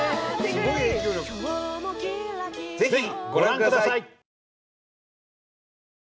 ぜひご覧ください！